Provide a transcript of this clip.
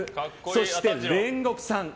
そして煉獄さん。